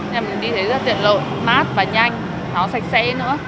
nên mình đi thấy rất tiện lợi mát và nhanh nó sạch sẽ nữa